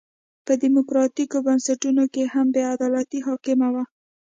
په ډیموکراټیکو بنسټونو کې هم بې عدالتي حاکمه وه.